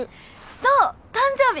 そう誕生日！